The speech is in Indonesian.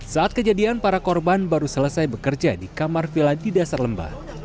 saat kejadian para korban baru selesai bekerja di kamar villa di dasar lembah